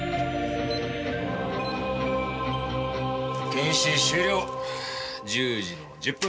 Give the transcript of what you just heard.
検視終了１０時１０分。